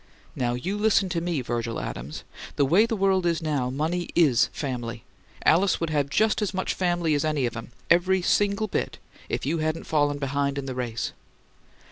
Now you listen to me, Virgil Adams: the way the world is now, money IS family. Alice would have just as much 'family' as any of 'em every single bit if you hadn't fallen behind in the race."